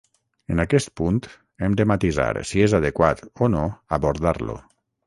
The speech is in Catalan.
En aquest punt hem de matisar si és adequat o no abordar-lo.